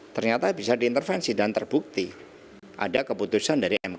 ternyata bisa diintervensi dan terbuka